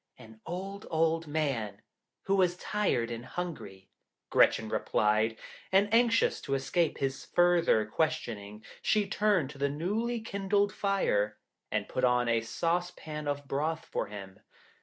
'An old, old man, who was tired and hungry,' Gretchen replied, and anxious to escape his further questioning, she turned to the newly kindled fire, and put on a saucepan of broth for him.